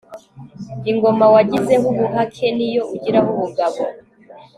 ingoma wagizeho ubuhake niyo ugiraho ubugabo